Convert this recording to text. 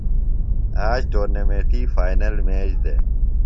آج ٹورنامنٹی فائنل میچ دےۡ۔